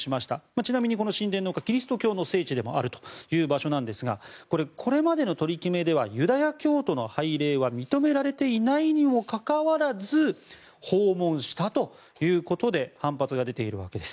ちなみにこの神殿の丘キリスト教の聖地でもあるという場所なんですがこれ、これまでの取り決めではユダヤ教徒の拝礼は認められていないにもかかわらず訪問したということで反発が出ているわけです。